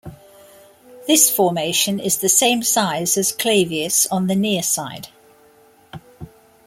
This formation is the same size as Clavius on the near side.